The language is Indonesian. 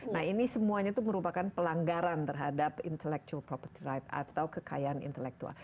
nah ini semuanya itu merupakan pelanggaran terhadap intellectual proper right atau kekayaan intelektual